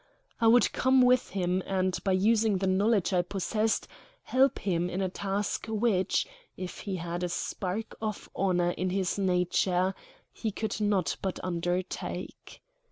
I would come with him, and, by using the knowledge I possessed, help him in a task which, if he had a spark of honor in his nature, he could not but undertake.